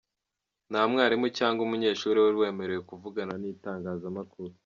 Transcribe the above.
Nta mwarimu cyangwa umunyeshuri wari wemerewe kuvugana n’itangazamakuru.